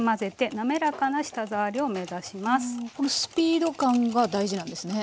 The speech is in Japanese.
このスピード感が大事なんですね。